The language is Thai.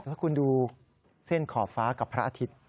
แล้วคุณดูเส้นขอบฟ้ากับพระอาทิตย์